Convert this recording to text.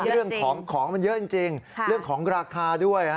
เรื่องของของมันเยอะจริงเรื่องของราคาด้วย